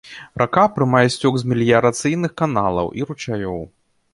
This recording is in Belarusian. Рака прымае сцёк з меліярацыйных каналаў і ручаёў.